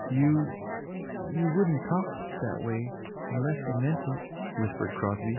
'You you wouldn't talk that way unless you meant it!' whispered Crosby.